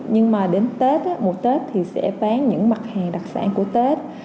nhưng mà đến tết một tết thì sẽ bán những mặt hàng đặc sản của tết